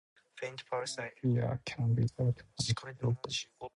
Agnosia can result from strokes, dementia, or other neurological disorders.